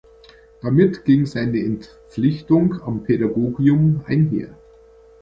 Damit ging seine Entpflichtung am Pädagogium einher.